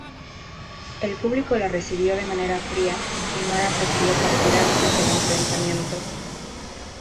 El público la recibió de manera fría y Mara prefirió partir antes del enfrentamiento.